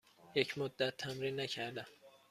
یک مدت تمرین نکردم.